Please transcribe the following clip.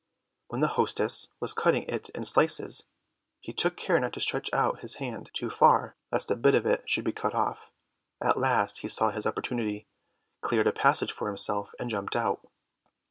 When the hostess was cutting it in slices, he took care not to stretch out his head too far lest a bit of it should be cut off; at last he saw his opportunity, cleared a passage for himself, and jumped out.